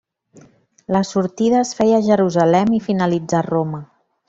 La sortida es feia a Jerusalem i finalitzà a Roma.